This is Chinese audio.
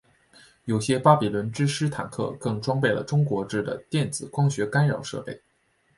有些巴比伦之狮坦克更装备了中国制的电子光学干扰设备。